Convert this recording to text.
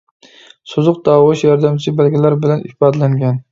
سوزۇق تاۋۇش، ياردەمچى بەلگىلەر بىلەن ئىپادىلەنگەن.